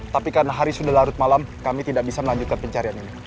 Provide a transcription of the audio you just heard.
tapi karena hari sudah larut malam kami tidak bisa melanjutkan pencarian ini